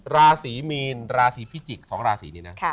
ราศีมีนราศีพิจิกษ์๒ราศีนี้นะ